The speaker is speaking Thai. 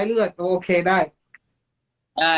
แต่หนูจะเอากับน้องเขามาแต่ว่า